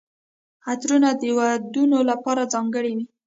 عطرونه د ودونو لپاره ځانګړي وي.